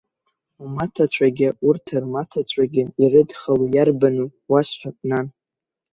Умаҭацәагьы урҭ рмаҭацәагьы ирыдхало иарбану уасҳәап, нан?